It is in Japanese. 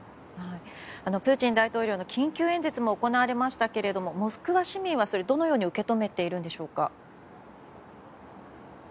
プーチン大統領の緊急演説も行われましたけれどもモスクワ市民はどのように受け止めているんでしょうか。